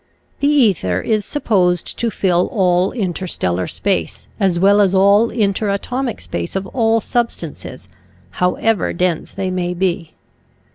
The ether is supposed to fill all interstellar space as well as all interatomic space of all substances, however dense they may be.